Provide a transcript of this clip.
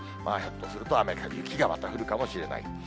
ひょっとすると、雨か雪がまた降るかもしれない。